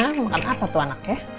aku makan apa tuh anaknya